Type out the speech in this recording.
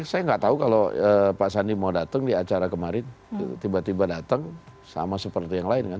saya nggak tahu kalau pak sandi mau datang di acara kemarin tiba tiba datang sama seperti yang lain kan